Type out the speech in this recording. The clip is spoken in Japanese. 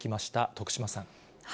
徳島さん。